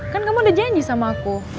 kan kamu udah janji sama aku